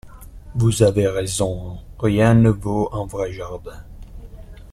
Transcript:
Vous avez raison, rien ne vaut un vrai jardin.